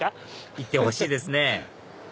行ってほしいですね